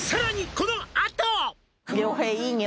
「このあと」